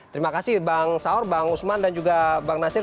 terima kasih bang saur bang usman dan juga bang nasir